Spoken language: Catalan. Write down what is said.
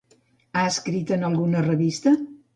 Ha escrit en alguna revista?